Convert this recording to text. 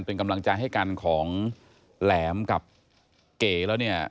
เป็นกำลังใจให้กันของแหลมกับเก๋แล้วเนี่ย